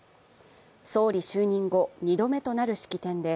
総理就任後２度目となる式典で、